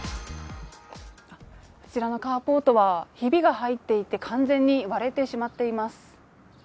こちらのカーポートはひびが入っていて、完全に割れてしまっています。